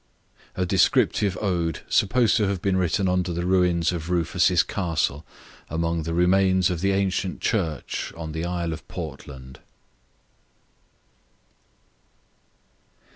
A DESCRIPTIVE ODE, Supposed to have been written under the Ruins of Rufus's Castle, among the remains of the ancient Church on the Isle of Portland.